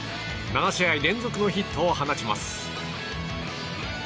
７試合連続のヒットを放ちます。